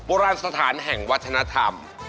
โบราณสถานแห่งวัฒนธรรม